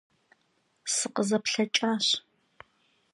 СыкъызэплъэкӀащ.